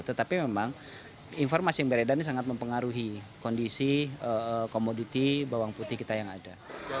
tetapi memang informasi yang beredar ini sangat mempengaruhi kondisi komoditi bawang putih kita yang ada